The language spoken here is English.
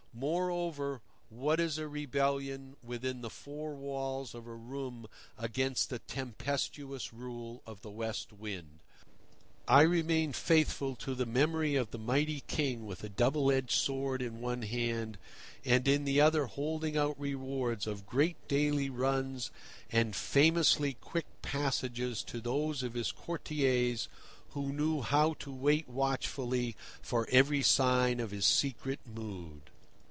Moreover, what is a rebellion within the four walls of a room against the tempestuous rule of the West Wind? I remain faithful to the memory of the mighty King with a double edged sword in one hand, and in the other holding out rewards of great daily runs and famously quick passages to those of his courtiers who knew how to wait watchfully for every sign of his secret mood.